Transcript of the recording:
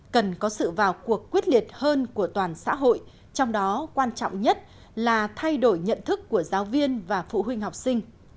cần có sự vào cuộc quyết liệt hơn của toàn xã hội trong đó quan trọng nhất là thay đổi nhận thức của giáo viên và phụ huynh học sinh